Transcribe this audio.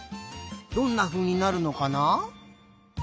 どんなふうになるのかな？